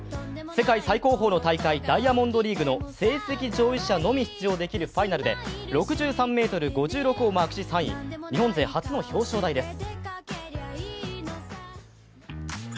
世界最高峰の大会、ダイヤモンドリーグの成績上位者のみ出場できるファイナルで６３ｍ５６をマークし３位、日本勢初の表彰台です。